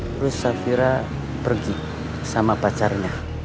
terus safira pergi sama pacarnya